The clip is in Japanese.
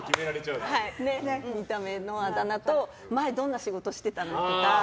見た目のあだ名と前どんな仕事してたの？とか。